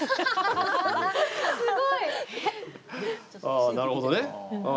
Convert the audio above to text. ああ、なるほどね。